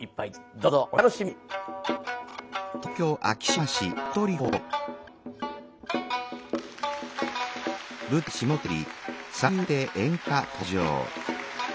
どうぞお楽しみに。